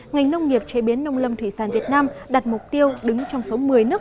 ngành nông nghiệp chế biến nông lâm thủy sản việt nam đặt mục tiêu đứng trong số một mươi nước